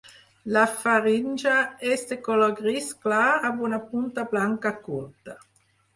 La faringe és de color gris clar, amb una punta blanca curta.